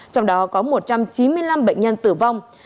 trong đó có một trăm chín mươi năm bệnh nhân tử vong